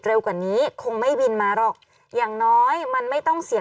กว่านี้คงไม่บินมาหรอกอย่างน้อยมันไม่ต้องเสีย